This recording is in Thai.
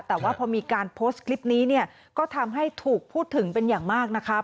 แต่ว่าพอมีการโพสต์คลิปนี้เนี่ยก็ทำให้ถูกพูดถึงเป็นอย่างมากนะคะ